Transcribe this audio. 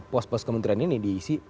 pos pos kementerian ini diisi